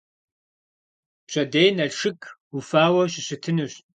Пщэдей Налшык уфауэ щыщытынущ.